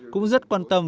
cũng rất quan tâm